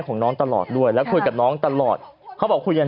ของน้องตลอดด้วยแล้วคุยกับน้องตลอดเขาบอกคุยกัน